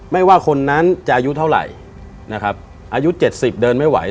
ไม่ว่าคนนั้นจะอายุเท่าไหร่นะครับอายุ๗๐เดินไม่ไหว